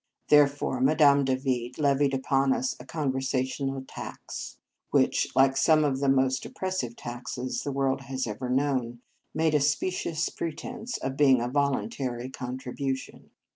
Therefore Madame Davide levied upon us a conversational tax, which, like some of the most oppressive taxes the world has ever known, made a specious pretence of being a voluntary contribution.